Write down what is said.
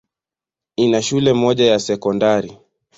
Ina shule moja ya sekondari.